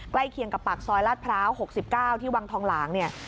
เคียงกับปากซอยลาดพร้าว๖๙ที่วังทองหลางเนี่ย